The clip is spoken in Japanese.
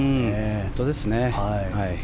本当ですね。